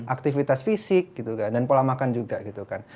aktivitas fisik gitu kan dan pola makan juga gitu kan